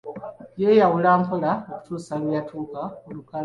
Yeewalula mpola okutuusa lwe yatuuka ku lukalu.